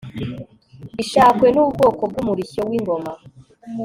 ishakwe n'ubwoko bw'umurishyo w'ingoma